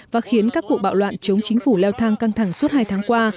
và khiến các cuộc bạo loạn chống chính phủ leo thang căng thẳng suốt hai tháng qua